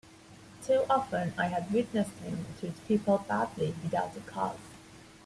Too often I had witnessed him treat people badly without a cause.